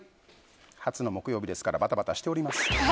初の木曜日ですからバタバタしております。